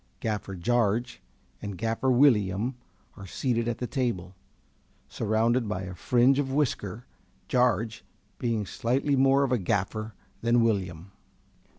_ Gaffer Jarge and Gaffer Willyum are seated at the table, surrounded by a fringe of whisker, Jarge being slightly more of a gaffer than Willyum.